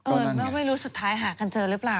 เราไม่รู้สุดท้ายหากันเจอหรือเปล่า